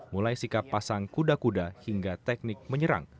mulai sikap pasang kuda kuda hingga teknik menyerang